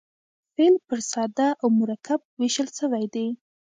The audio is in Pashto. فعل پر ساده او مرکب وېشل سوی دئ.